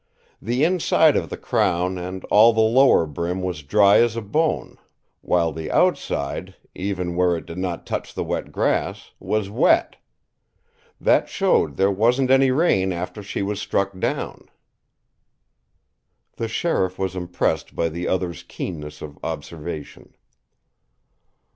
The inside of the crown and all the lower brim was dry as a bone, while the outside, even where it did not touch the wet grass, was wet. That showed there wasn't any rain after she was struck down." The sheriff was impressed by the other's keenness of observation.